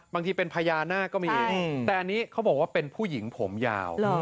บางทีเป็นพญานาคก็มีแต่อันนี้เขาบอกว่าเป็นผู้หญิงผมยาว